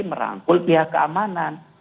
merangkul pihak keamanan